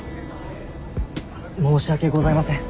申し訳ございません。